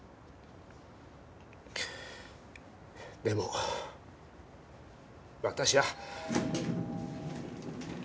でも私は。